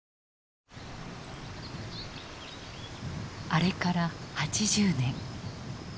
あれから８０年。